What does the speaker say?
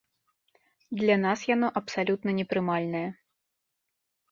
Для нас яно абсалютна непрымальнае.